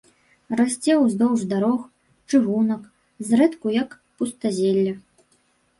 Расце ўздоўж дарог, чыгунак, зрэдку як пустазелле.